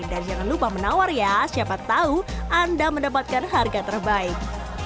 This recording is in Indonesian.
dan jangan lupa menawar ya siapa tau anda mendapatkan harga terbaik